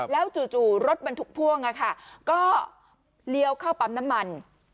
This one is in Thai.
แล้วจู่รถบรรทุกพ่วงก็เลี้ยวเข้าปั๊มน้ำมัน